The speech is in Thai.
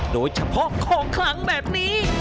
โดยเฉพาะของขลังแบบนี้